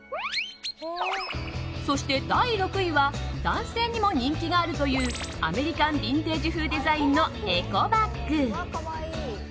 そして第６位は男性にも人気があるというアメリカンビンテージ風デザインのエコバッグ。